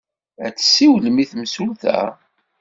Ad tsiwlem i temsulta?